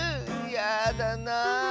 やだなあ。